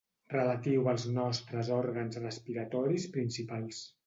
Relatiu als nostres òrgans respiratoris principals.